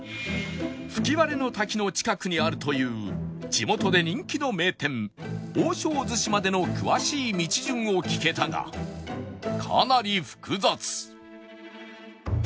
吹割の滝の近くにあるという地元で人気の名店オウショウズシまでの詳しい道順を聞けたがかなり複雑